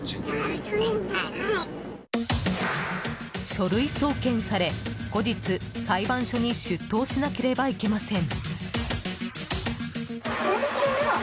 書類送検され後日、裁判所に出頭しなければいけません。